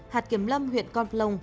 hạt kiểm lâm huyện con plong